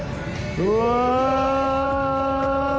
うわ！